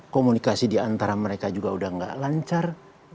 komunikasi diantara mereka juga sudah tidak lancar